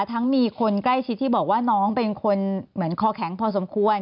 มีคนใกล้ชิดที่บอกว่าน้องเป็นคนเหมือนคอแข็งพอสมควร